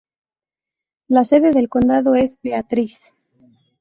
La sede del condado es Beatrice.